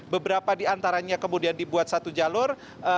beberapa di antaranya kemudian dibuat satu jalur